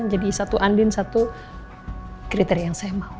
jadi satu andin satu kriteria yang saya mau